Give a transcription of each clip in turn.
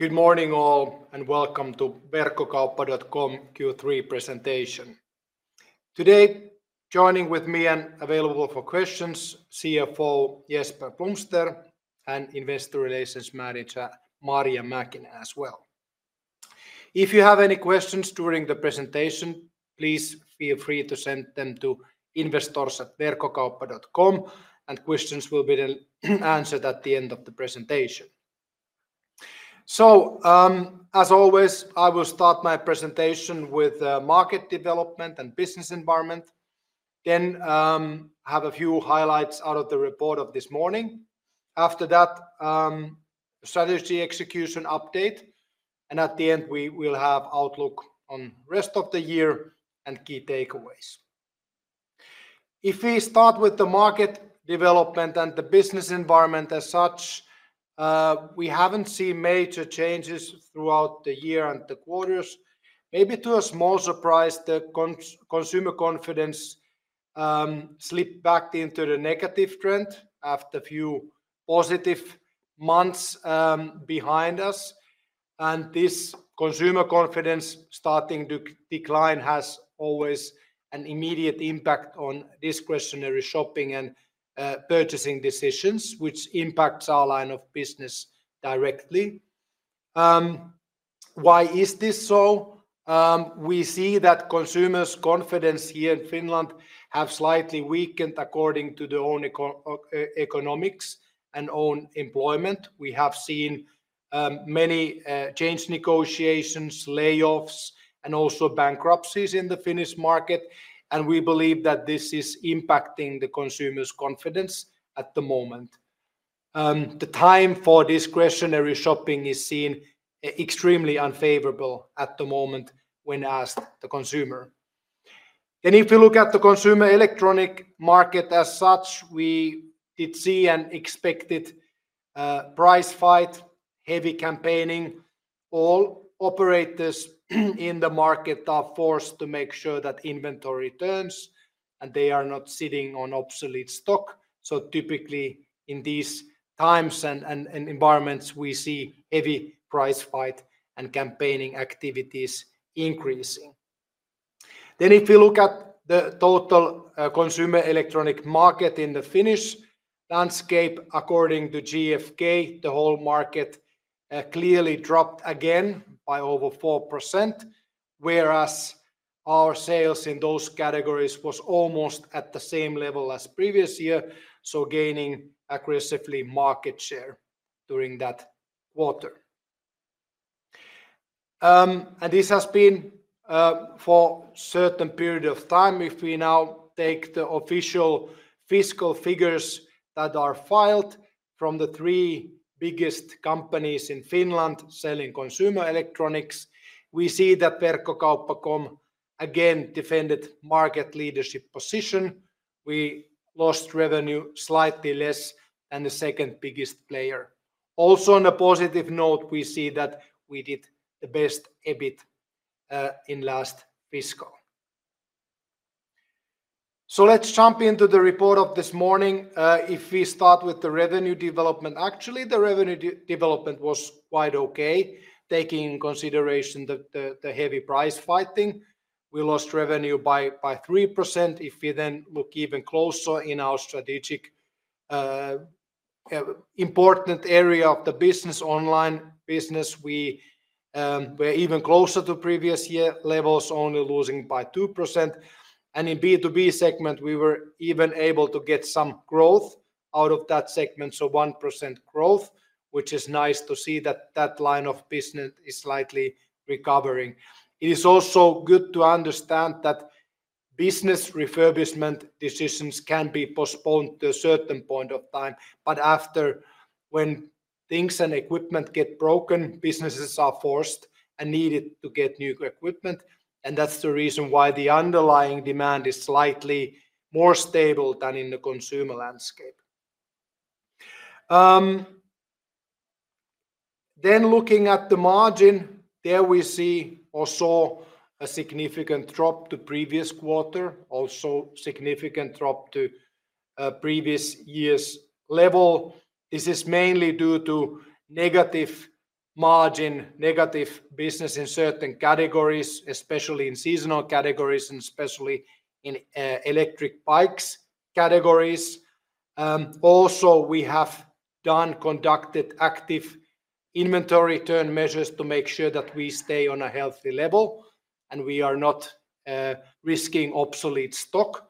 Good morning all, and welcome to Verkkokauppa.com Q3 presentation. Today, joining with me and available for questions, CFO Jesper Blomster and Investor Relations Manager Marja Mäkinen as well. If you have any questions during the presentation, please feel free to send them to investors@verkkokauppa.com, and questions will be answered at the end of the presentation. So, as always, I will start my presentation with market development and business environment, then have a few highlights out of the report of this morning. After that, strategy execution update, and at the end, we will have outlook on rest of the year and key takeaways. If we start with the market development and the business environment as such, we haven't seen major changes throughout the year and the quarters. Maybe to a small surprise, the consumer confidence slipped back into the negative trend after few positive months behind us, and this consumer confidence starting to decline has always an immediate impact on discretionary shopping and purchasing decisions, which impacts our line of business directly. Why is this so? We see that consumers' confidence here in Finland have slightly weakened according to the own economics and own employment. We have seen many change negotiations, layoffs, and also bankruptcies in the Finnish market, and we believe that this is impacting the consumer's confidence at the moment. The time for discretionary shopping is seen extremely unfavorable at the moment when asked the consumer. Then if you look at the consumer electronics market as such, we did see an expected price fight, heavy campaigning. All operators in the market are forced to make sure that inventory turns, and they are not sitting on obsolete stock, so typically, in these times and environments, we see heavy price fight and campaigning activities increasing, then if you look at the total consumer electronics market in the Finnish landscape, according to GfK, the whole market clearly dropped again by over 4%, whereas our sales in those categories was almost at the same level as previous year, so gaining aggressively market share during that quarter. This has been for certain period of time. If we now take the official fiscal figures that are filed from the three biggest companies in Finland selling consumer electronics, we see that Verkkokauppa.com again defended market leadership position. We lost revenue slightly less than the second biggest player. Also, on a positive note, we see that we did the best EBIT in last fiscal. So let's jump into the report of this morning. If we start with the revenue development, actually, the revenue development was quite okay, taking in consideration the heavy price fighting. We lost revenue by 3%. If we then look even closer in our strategic important area of the business, online business, we're even closer to previous year levels, only losing by 2%, and in B2B segment, we were even able to get some growth out of that segment, so 1% growth, which is nice to see that line of business is slightly recovering. It is also good to understand that business refurbishment decisions can be postponed to a certain point of time, but after, when things and equipment get broken, businesses are forced and needed to get new equipment, and that's the reason why the underlying demand is slightly more stable than in the consumer landscape. Then looking at the margin, there we see, or saw, a significant drop to previous quarter, also significant drop to previous year's level. This is mainly due to negative margin, negative business in certain categories, especially in seasonal categories and especially in electric bikes categories. Also, we have conducted active inventory turn measures to make sure that we stay on a healthy level, and we are not risking obsolete stock.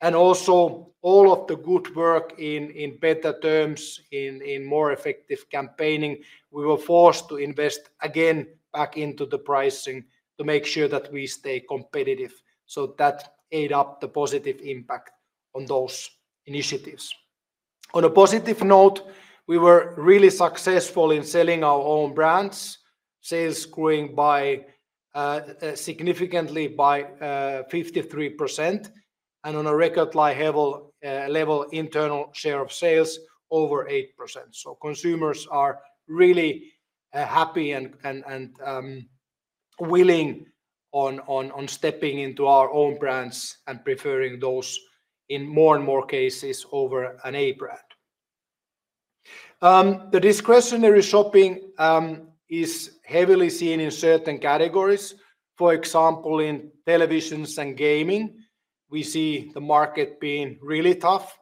And also, all of the good work in better terms, in more effective campaigning, we were forced to invest again back into the pricing to make sure that we stay competitive, so that ate up the positive impact on those initiatives. On a positive note, we were really successful in selling our own brands, sales growing by significantly by 53%, and on a record high level, internal share of sales, over 8%. So consumers are really happy and willing to step into our own brands and preferring those in more and more cases over an A-brand. The discretionary shopping is heavily seen in certain categories. For example, in televisions and gaming, we see the market being really tough.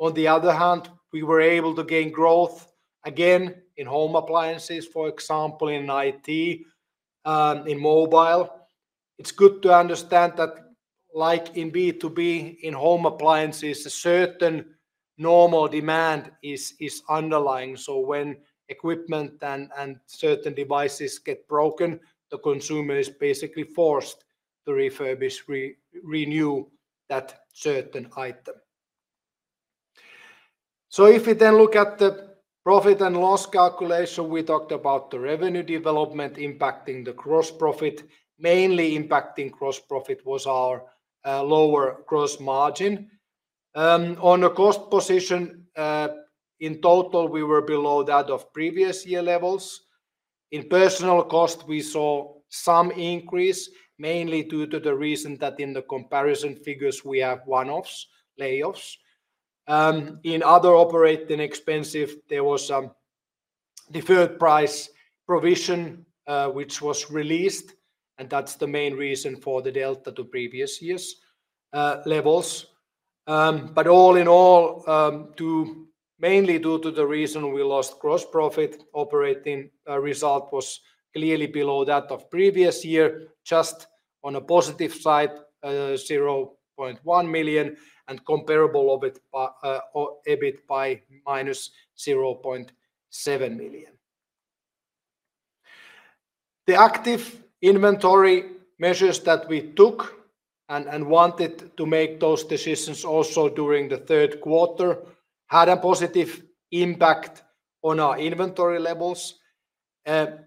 On the other hand, we were able to gain growth again in home appliances, for example, in IT, in mobile. It's good to understand that like in B2B, in home appliances, a certain normal demand is underlying. So when equipment and certain devices get broken, the consumer is basically forced to renew that certain item. So if we then look at the profit and loss calculation, we talked about the revenue development impacting the gross profit. Mainly impacting gross profit was our lower gross margin. On the cost position, in total we were below that of previous year levels. In personal cost, we saw some increase, mainly due to the reason that in the comparison figures we have one-offs, layoffs. In other operating expenses, there was some deferred price provision which was released, and that's the main reason for the delta to previous years' levels. But all in all, to mainly due to the reason we lost gross profit, operating result was clearly below that of previous year. Just on a positive side, 0.1 million, and comparable EBIT by -0.7 million. The active inventory measures that we took and wanted to make those decisions also during the third quarter had a positive impact on our inventory levels.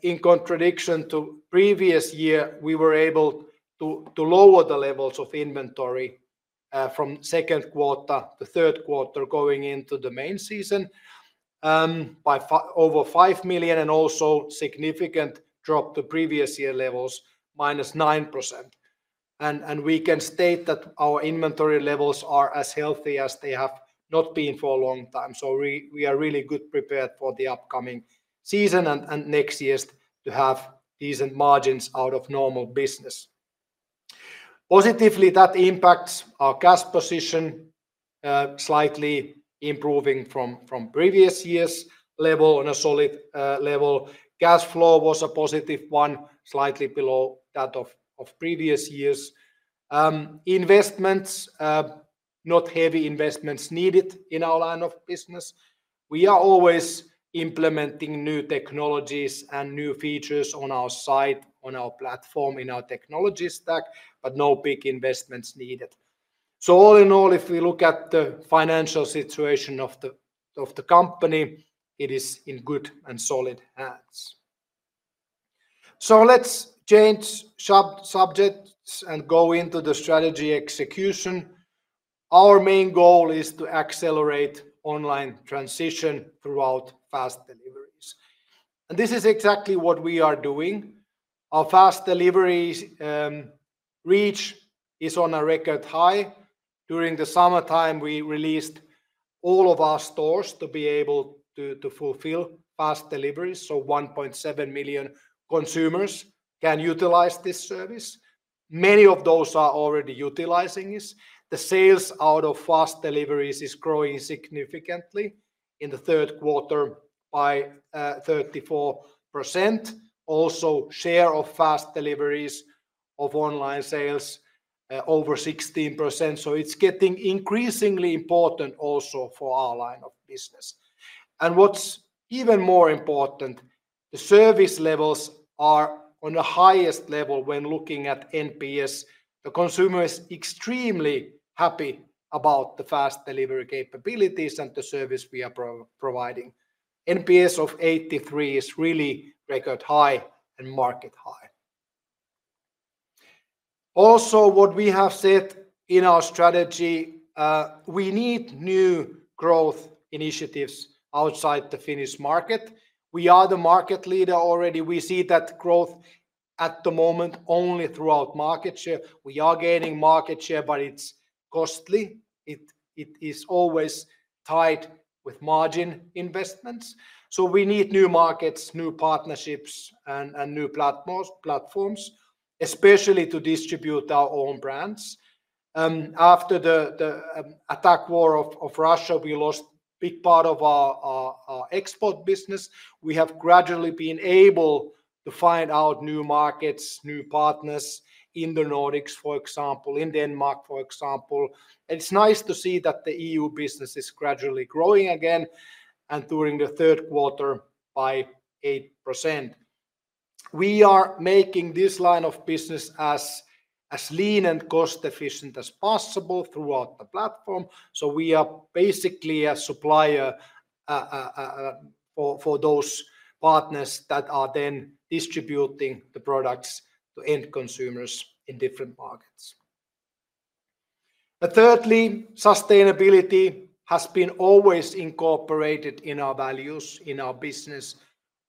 In contradiction to previous year, we were able to lower the levels of inventory from second quarter to third quarter, going into the main season, by over 5 million, and also significant drop to previous year levels, -9%. We can state that our inventory levels are as healthy as they have not been for a long time. So we are really good prepared for the upcoming season and next years to have decent margins out of normal business. Positively, that impacts our cash position, slightly improving from previous year's level on a solid level. Cash flow was a positive one, slightly below that of previous years'. Investments, not heavy investments needed in our line of business. We are always implementing new technologies and new features on our site, on our platform, in our technology stack, but no big investments needed. So all in all, if we look at the financial situation of the company, it is in good and solid hands. So let's change subjects and go into the strategy execution. Our main goal is to accelerate online transition throughout fast deliveries, and this is exactly what we are doing. Our fast deliveries reach is on a record high. During the summertime, we released all of our stores to be able to fulfill fast deliveries, so 1.7 million consumers can utilize this service. Many of those are already utilizing this. The sales out of fast deliveries is growing significantly in the third quarter by 34%. Also, share of fast deliveries of online sales over 16%, so it's getting increasingly important also for our line of business. What's even more important, the service levels are on the highest level when looking at NPS. The consumer is extremely happy about the fast delivery capabilities and the service we are providing. NPS of 83 is really record high and market high. Also, what we have said in our strategy, we need new growth initiatives outside the Finnish market. We are the market leader already. We see that growth at the moment only throughout market share. We are gaining market share, but it's costly. It is always tied with margin investments. So we need new markets, new partnerships, and new platforms, especially to distribute our own brands. After the attack war of Russia, we lost big part of our export business. We have gradually been able to find out new markets, new partners in the Nordics, for example, in Denmark, for example. It's nice to see that the EU business is gradually growing again, and during the third quarter, by 8%. We are making this line of business as lean and cost efficient as possible throughout the platform, so we are basically a supplier for those partners that are then distributing the products to end consumers in different markets. But thirdly, sustainability has been always incorporated in our values, in our business,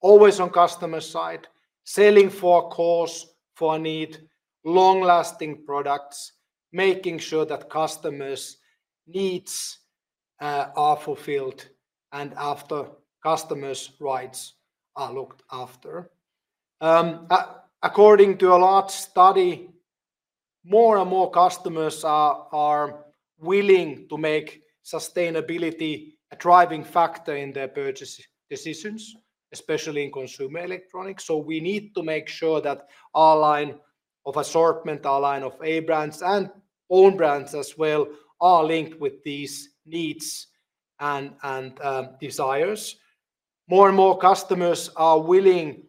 always on customer side, selling for a cause, for a need, long-lasting products, making sure that customers' needs are fulfilled and after customers' rights are looked after. According to a large study, more and more customers are willing to make sustainability a driving factor in their purchase decisions, especially in consumer electronics. So we need to make sure that our line of assortment, our line of A brands and own brands as well, are linked with these needs and desires. More and more customers are willing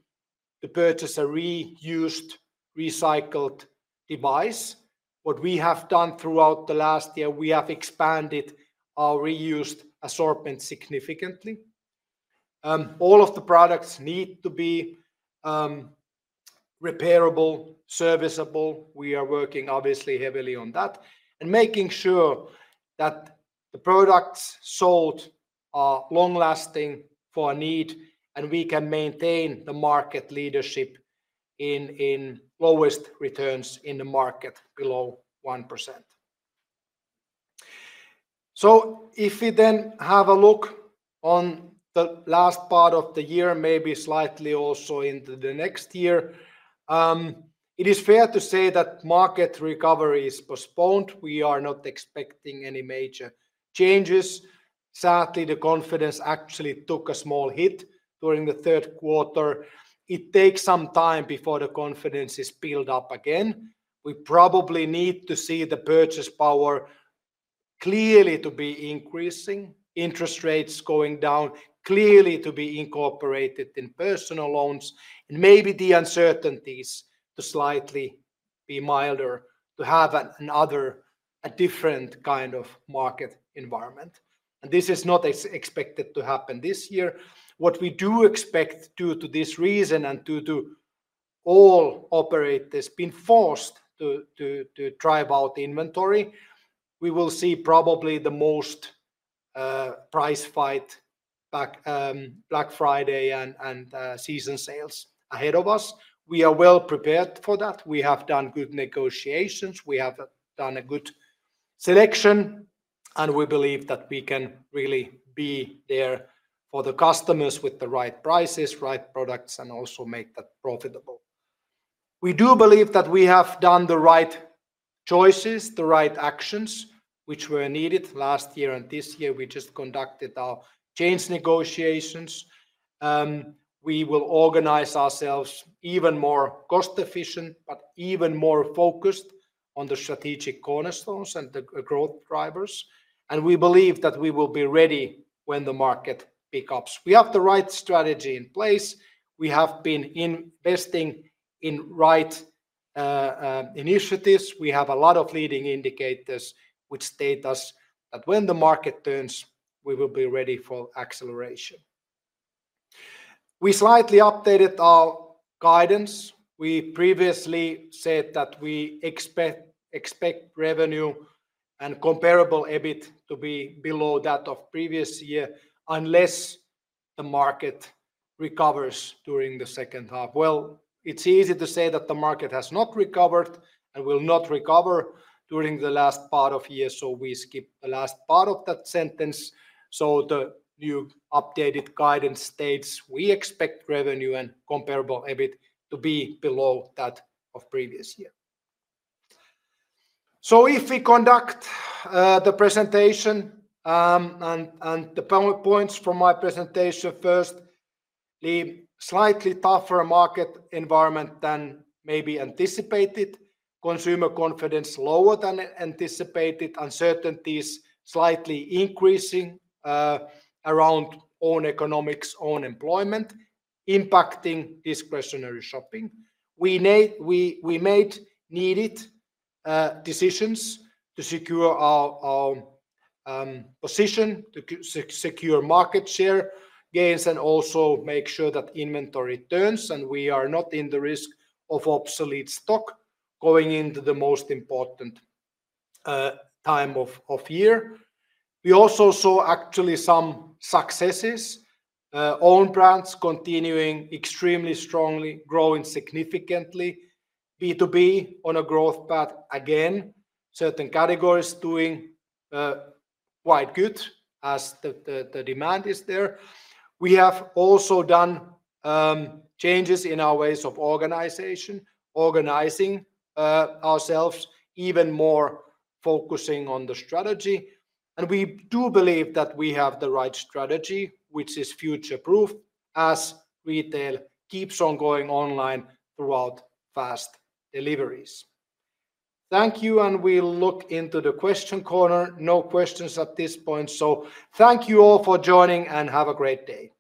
to purchase a reused, recycled device. What we have done throughout the last year, we have expanded our reused assortment significantly. All of the products need to be repairable, serviceable. We are working obviously heavily on that, and making sure that the products sold are long-lasting for a need, and we can maintain the market leadership in lowest returns in the market below 1%. So if we then have a look on the last part of the year, maybe slightly also into the next year, it is fair to say that market recovery is postponed. We are not expecting any major changes. Sadly, the confidence actually took a small hit during the third quarter. It takes some time before the confidence is built up again. We probably need to see the purchasing power clearly to be increasing, interest rates going down, clearly to be incorporated in personal loans, and maybe the uncertainties to slightly be milder, to have a different kind of market environment. And this is not expected to happen this year. What we do expect due to this reason and due to all operators being forced to drive out inventory, we will see probably the most price fight packed Black Friday and season sales ahead of us. We are well prepared for that. We have done good negotiations. We have done a good selection, and we believe that we can really be there for the customers with the right prices, right products, and also make that profitable. We do believe that we have done the right choices, the right actions, which were needed last year and this year. We will organize ourselves even more cost-efficient, but even more focused on the strategic cornerstones and the growth drivers, and we believe that we will be ready when the market picks up. We have the right strategy in place. We have been investing in right initiatives. We have a lot of leading indicators which state that when the market turns, we will be ready for acceleration. We slightly updated our guidance. We previously said that we expect revenue and comparable EBIT to be below that of previous year, unless the market recovers during the second half. It's easy to say that the market has not recovered and will not recover during the last part of year, so we skip the last part of that sentence. The new updated guidance states we expect revenue and comparable EBIT to be below that of previous year. If we continue the presentation and the power points from my presentation, firstly, slightly tougher market environment than maybe anticipated, consumer confidence lower than anticipated, uncertainties slightly increasing around our own economics, our own employment, impacting discretionary shopping. We made needed decisions to secure our position, to secure market share gains and also make sure that inventory turns, and we are not in the risk of obsolete stock going into the most important time of year. We also saw actually some successes. Own brands continuing extremely strongly, growing significantly, B2B on a growth path again, certain categories doing quite good as the demand is there. We have also done changes in our ways of organizing ourselves even more focusing on the strategy, and we do believe that we have the right strategy, which is future-proof, as retail keeps on going online throughout fast deliveries. Thank you, and we'll look into the question corner. No questions at this point, so thank you all for joining, and have a great day.